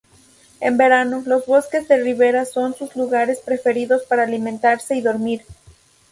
En verano, los bosques de ribera son sus lugares preferidos para alimentarse y dormir.